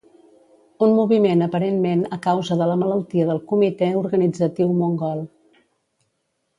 Un moviment aparentment a causa de la malaltia del comité organitzatiu mongol.